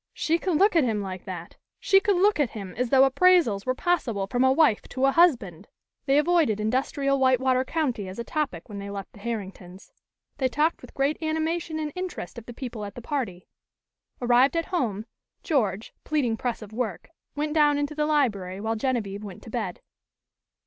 She could look at him like that! She could look at him as though appraisals were possible from a wife to a husband! They avoided industrial Whitewater County as a topic when they left the Herrington's. They talked with great animation and interest of the people at the party. Arrived at home, George, pleading press of work, went down into the library while Genevieve went to bed.